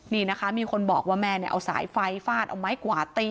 นี่นะคะมีคนบอกว่าแม่เนี่ยเอาสายไฟฟาดเอาไม้กวาดตี